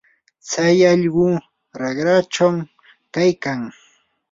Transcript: tsay allqu qarachum kaykan.